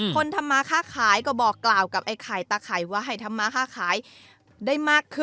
คนทำมาค่าขายก็บอกกล่าวกับไอ้ไข่ตาไข่ว่าให้ทำมาค่าขายได้มากขึ้น